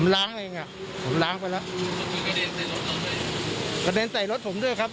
ล้างเองอ่ะผมล้างไปแล้วกระเด็นใส่รถผมด้วยครับ